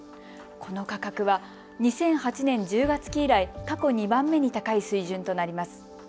この価格は２００８年１０月期以来、過去２番目に高い水準となります。